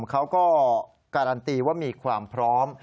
เขาก็การันตีว่ามีความพร้อม